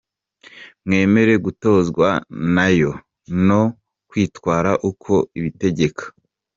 Mwemere gutozwa na yo, no kwitwara uko ibategeka.